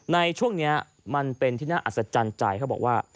ในช่วงนี้มันเป็นที่น่าอัศจรรย์ใจเขาบอกว่า